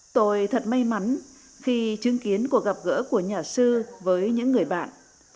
tôi thật may mắn khi chứng kiến cuộc gặp gỡ của nhà sư với những người bạn